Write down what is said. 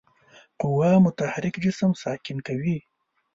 قوه متحرک جسم ساکن کوي.